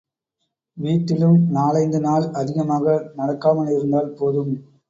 வீட்டிலும் நாலைந்து நாள் அதிகமாக நடக்காமலிருந்தால் போதும்.